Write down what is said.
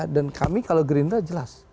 dan kami kalau gerindra jelas